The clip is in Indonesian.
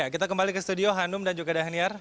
kita kembali ke studio hanum dan juga dhaniar